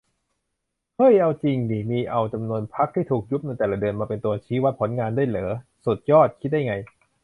เฮ้ย เอาจิงดิ มีเอาจำนวนพรรคที่ถูกยุบในแต่ละเดือนมาเป็นตัวชี้วัดผลงานด้วยเหรอ สุดยอด คิดได้ไง